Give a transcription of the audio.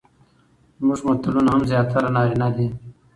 زموږ متلونه هم زياتره نارينه دي،